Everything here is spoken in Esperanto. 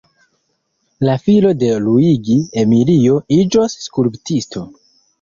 La filo de Luigi, Emilio, iĝos skulptisto.